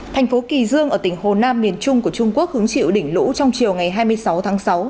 thành phố kỳ dương ở tỉnh hồ nam miền trung của trung quốc hứng chịu đỉnh lũ trong chiều ngày hai mươi sáu tháng sáu